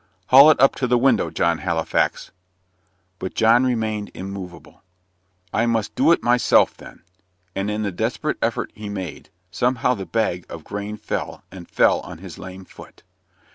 "Haul it up to the window, John Halifax." But John remained immovable. "I must do it myself, then;" and, in the desperate effort he made, somehow the bag of grain fell, and fell on his lame foot.